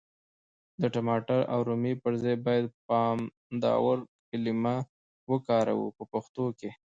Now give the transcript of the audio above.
د ټماټر او رومي پر ځای بايد پامدور کلمه وکاروو په پښتو کي.